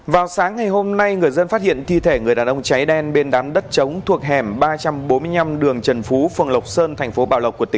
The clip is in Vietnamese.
vào sáng ngày hôm nay người dân phát hiện thi thể người đàn ông cháy đen bên đám đất chống thuộc hẻm ba trăm bốn mươi năm đường trần phú phường lộc sơn tp b